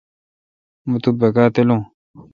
مہ تو بکا تلون۔